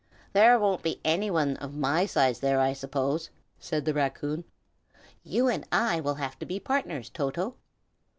"There won't be any one of my size there, I suppose," said the raccoon. "You and I will have to be partners, Toto."